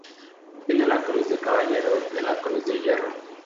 Obtiene la Cruz de Caballero de la Cruz de Hierro.